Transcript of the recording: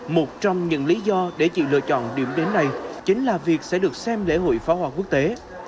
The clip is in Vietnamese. một trong những lý do để chị lựa chọn điểm đến này chính là việc sẽ được xem lễ hội pháo hoa quốc tế